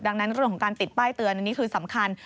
ดังนั้นเรื่องของการติดป้ายเตือนอันนี้คือสำคัญ